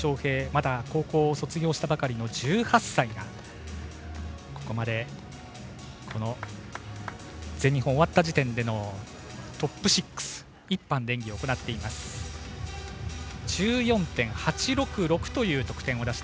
まだ高校を卒業したばかりの１８歳が全日本が終わった時点でのトップ６１班で演技を行っています。１４．８６６という得点です。